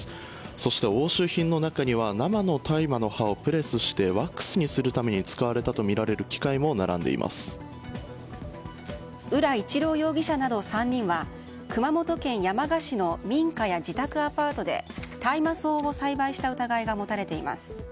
そして、押収品の中には生の大麻の葉をプレスしてワックスにするために使われたとみられる浦一郎容疑者など、３人は熊本県山鹿市の民家や自宅アパートで大麻草を栽培した疑いが持たれています。